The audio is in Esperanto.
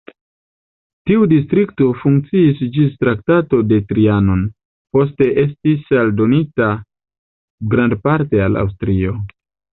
Tiu distrikto funkciis ĝis Traktato de Trianon, poste estis aldonita grandparte al Aŭstrio.